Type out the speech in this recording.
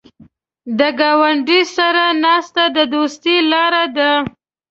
د ګاونډي سره ناسته د دوستۍ لاره ده